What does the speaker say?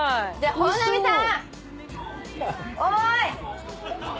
本並さん